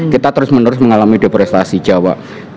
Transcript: kita terus menerus mengalami depresiasi jawa